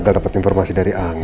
gagal dapat informasi dari angga